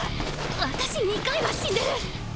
私２回は死んでる。